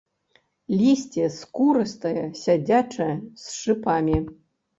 Лісце скурыстае, сядзячае, з шыпамі.